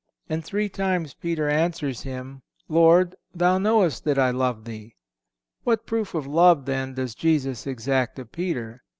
And three times Peter answers Him, "Lord, Thou knowest that I love Thee." What proof of love, then, does Jesus exact of Peter?